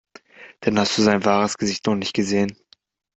Dann hast du sein wahres Gesicht noch nicht gesehen.